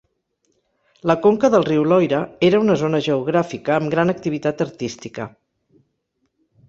La conca del riu Loira era una zona geogràfica amb gran activitat artística.